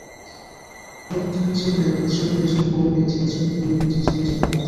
প্রাত্যহিক জীবনে গোত্রীয় বিভাজন ক্রমেই বৃদ্ধি পাচ্ছে এবং ধর্মভিত্তিক জীবনযাপনও বাড়ছে।